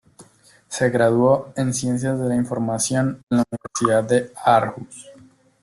Se graduó en ciencias de la información en la Universidad de Aarhus.